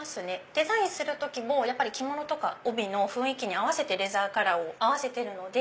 デザインする時も着物とか帯の雰囲気に合わせてレザーカラーを合わせてるので。